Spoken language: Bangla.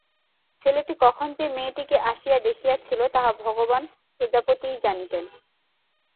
ছেলেটি কখন যে মেয়েটিকে আসিয়া দেখিয়াছিল তাহা ভগবান প্রজাপতিই জানিতেন।